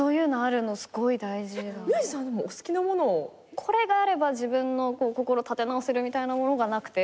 これがあれば自分の心立て直せるみたいなものがなくて。